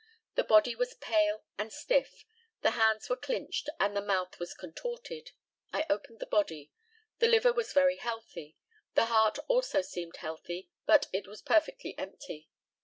The body was pale and stiff; the hands were clinched, and the mouth was contorted. I opened the body. The liver was very healthy. The heart also seemed healthy, but it was perfectly empty.